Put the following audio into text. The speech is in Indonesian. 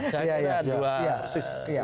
saya kira dua